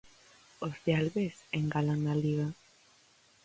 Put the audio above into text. Os de Albés engalan na Liga.